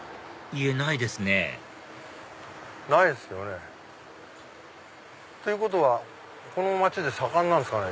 いえないですねないですよね。ということはこの街で盛んなんですかね。